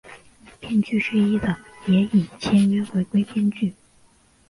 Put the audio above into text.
编剧之一的也已签约回归编剧。